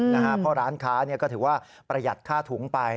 เพราะร้านค้าก็ถือว่าประหยัดค่าถุงไป